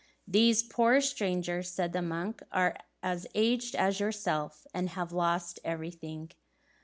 "These poor strangers," said the monk, "are as aged as yourself, and have lost everything."